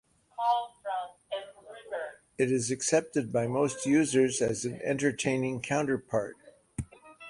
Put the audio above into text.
It is accepted by most users as an entertaining counterpart.